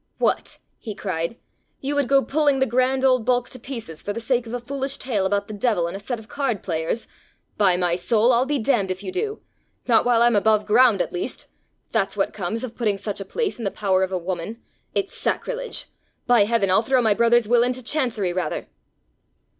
"What!" he cried, "you would go pulling the grand old bulk to pieces for the sake of a foolish tale about the devil and a set of cardplayers! By my soul, I'll be damned if you do! Not while I'm above ground at least! That's what comes of putting such a place in the power of a woman! It's sacrilege! By heaven, I'll throw my brother's will into chancery rather!"